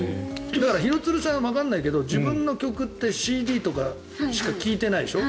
だから廣津留さんわからないけど自分の曲ってＣＤとかでしか聴いてないでしょ？